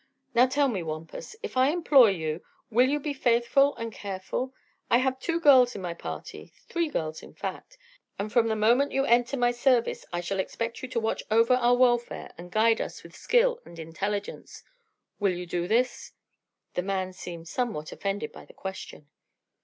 Now tell me, Wampus: if I employ you will you be faithful and careful? I have two girls in my party three girls, in fact and from the moment you enter my service I shall expect you to watch over our welfare and guide us with skill and intelligence. Will you do this?" The man seemed somewhat offended by the question.